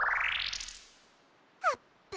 あっぷ。